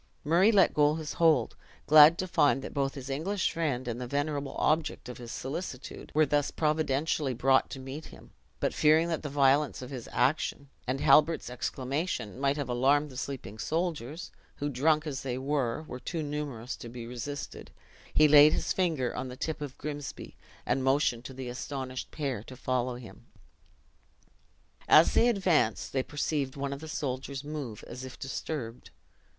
Murray let go his hold, glad to find that both his English friend and the venerable object of his solicitude were thus providentially brought to meet him; but fearing that the violence of his action, and Halbert's exclamation, might have alarmed the sleeping soldiers (who, drunk as they were, were too numerous to be resisted), he laid his finger on the tip of Grimsby, and motioned to the astonished pair to follow him. As they advanced, they perceived one of the soldiers move as if disturbed.